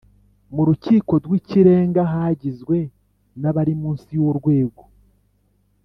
mu Rukiko rw’Ikirenga hagizwe n’abari munsi y’urwego